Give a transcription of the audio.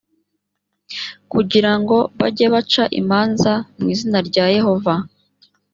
kugira ngo bajye baca imanza mu izina rya yehova